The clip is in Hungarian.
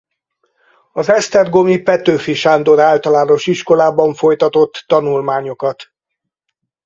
Az esztergomi Petőfi Sándor Általános Iskolában folytatott tanulmányokat.